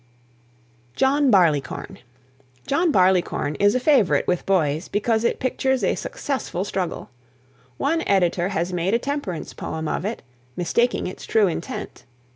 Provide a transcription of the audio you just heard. JOHN BARLEYCORN. "John Barleycorn" is a favourite with boys because it pictures a successful struggle. One editor has made a temperance poem of it, mistaking its true intent.